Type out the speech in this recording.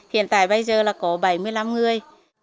hiện tại bây giờ là có bảy mươi năm người